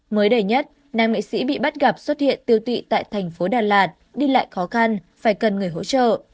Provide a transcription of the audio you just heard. mới đầy nhất nam nghệ sĩ bị bắt gặp xuất hiện tiêu tụy tại thành phố đà lạt đi lại khó khăn phải cần người hỗ trợ